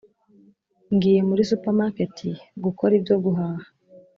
ngiye muri supermarket gukora ibyo guhaha